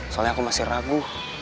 soalnya aku masih ragu